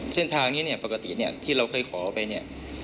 เส้นทางนี้ปกติที่เราเคยขอไป